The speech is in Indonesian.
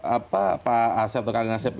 apa pak asep atau kang asep